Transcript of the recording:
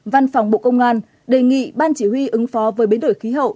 bàn phòng bộ công an đề nghị ban chỉ huy ứng phó với biến đổi khi hậu